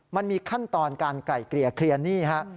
มันมีขั้นตอนการไกลเกลี่ยเคลียร์หนี้ฮะ